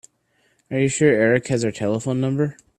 Are you sure Erik has our telephone number?